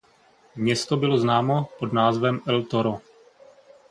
Město bylo známo pod názvem El Toro.